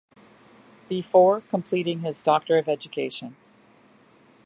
Before completing his Ed.D.